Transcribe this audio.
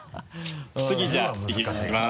次じゃあいきます。